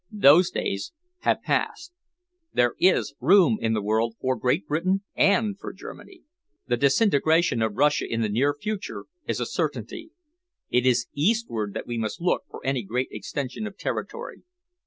Those days have passed. There is room in the world for Great Britain and for Germany. The disintegration of Russia in the near future is a certainty. It is eastward that we must look for any great extension of territory."